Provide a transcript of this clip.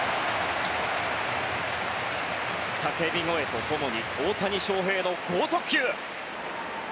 叫び声とともに大谷翔平の豪速球！